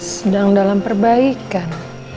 sedang dalam perbaikan